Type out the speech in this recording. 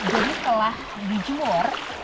jadi telah dijemur